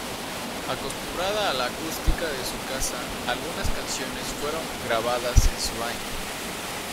Acostumbrada a la acústica de su casa algunas canciones fueron grabadas en su baño.